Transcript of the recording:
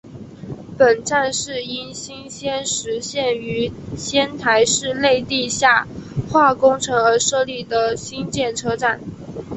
本站是因应仙石线于仙台市内地下化工程而设立的新建车站。